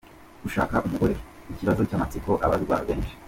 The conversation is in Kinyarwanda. Gushaka umugore: Ikibazo cy’amatsiko abazwa na benshi:.